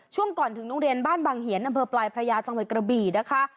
ช่วงก่อนถึงโรงเรียนบ้านบางเหียนอำเภอปลายพระยาจังหวัดกระบี่นะคะ